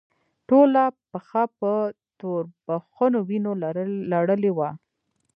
ټوله پښه په توربخونو وينو لړلې وه.